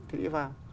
thì nghĩ vào